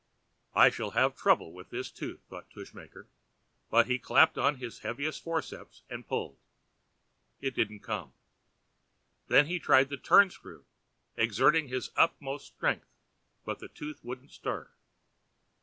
"I shall have trouble with this tooth," thought Tushmaker, but he clapped on his heaviest forceps and pulled. It didn't come. Then he tried the turn screw, exerting his utmost strength, but the tooth wouldn't stir.